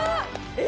え！